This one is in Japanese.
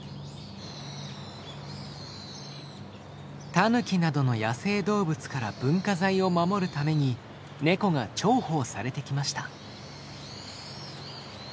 タヌキなどの野生動物から文化財を守るためにネコが重宝されてきました。